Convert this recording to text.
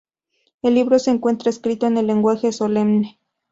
El libro se encuentra escrito en un lenguaje solemne.